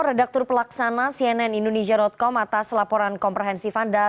redaktur pelaksana cnn indonesia com atas laporan komprehensif anda